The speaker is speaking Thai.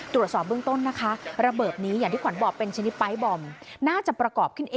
ตรวจสอบเบื้องต้นนะคะระเบิดนี้อย่างที่ขวัญบอกเป็นชนิดไพ